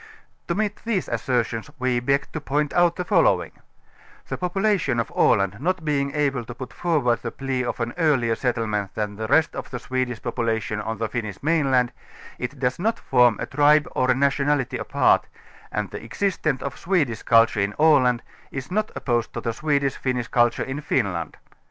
To meet these assertions we beg to point out the follow ing: The population of Aland not being able to put forward the plea of an earlier settlement than the rest of the Swe dish population on the Finnish mainland, it does not form a tribe or nationality apart, and the existance of Swedish cul ture in Aland is not opposed to the Swedish Finnish culture in Finland.